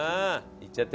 いっちゃって！